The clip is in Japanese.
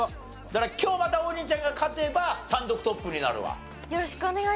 だから今日また王林ちゃんが勝てば単独トップになるわ。